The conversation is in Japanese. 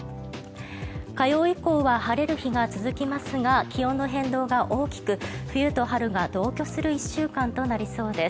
火曜以降は晴れる日が続きますが気温の変動が大きく冬と春が同居する１週間となりそうです。